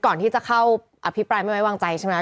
ก่อนที่จะเข้าอภิปรายไม่ไว้วางใจใช่ไหม